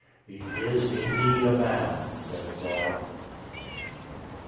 "He is indeed a man," said the Czar.